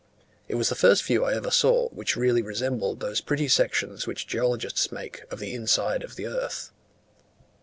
It was the first view I ever saw, which really resembled those pretty sections which geologists make of the inside of the earth.